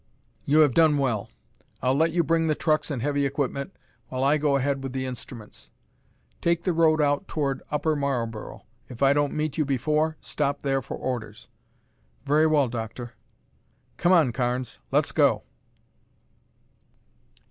"You have done well. I'll let you bring the trucks and heavy equipment while I go ahead with the instruments. Take the road out toward Upper Marlboro. If I don't meet you before, stop there for orders." "Very well, Doctor." "Come on, Carnes, let's go."